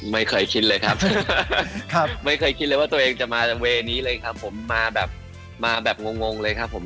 ไม่เคยชินเลยครับไม่เคยคิดเลยว่าตัวเองจะมาจากเวย์นี้เลยครับผมมาแบบมาแบบงงเลยครับผม